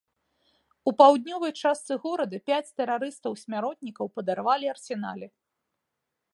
У паўднёвай частцы горада пяць тэрарыстаў-смяротнікаў падарвалі арсенале.